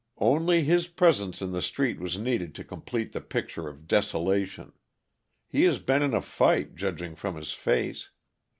"Only his presence in the street was needed to complete the picture of desolation. He has been in a fight, judging from his face.